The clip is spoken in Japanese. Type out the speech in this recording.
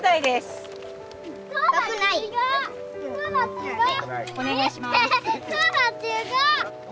すごい！